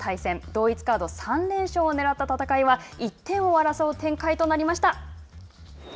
同一カード３連勝をねらった戦いは１点を争う展開となりました。